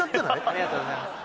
ありがとうございます。